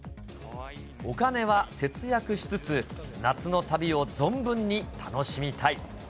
お金は節約しつつ、夏の旅を存分に楽しみたい。